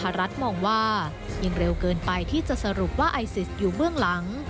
รัฐมองว่ายังเร็วเกินไปที่จะสรุปว่าไอซิสอยู่เบื้องหลัง